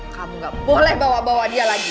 kamu gak boleh bawa bawa dia lagi